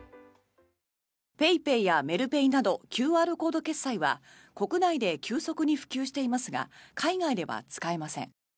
ＰａｙＰａｙやメルペイなどＱＲコード決済は国内で急速に普及していますが海外では使えません。